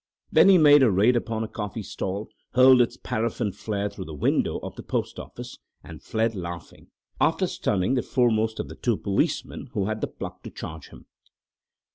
Then he made a raid upon a coffee stall, hurled its paraffin flare through the window of the post office, and fled laughing, after stunning the foremost of the two policemen who had the pluck to charge him.